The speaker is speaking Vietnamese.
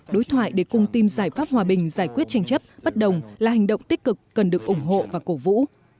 đối thoại để cùng tìm giải pháp hòa bình giải quyết tranh chấp bất đồng là hành động tích cực cần được ủng hộ và cổ vũ